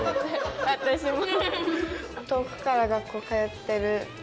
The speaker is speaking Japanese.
「私も」。